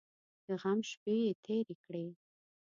د غم شپې یې تېرې کړې.